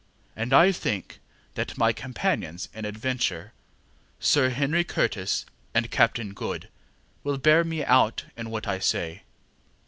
And I think that my companions in adventure, Sir Henry Curtis and Captain Good, will bear me out in what I say.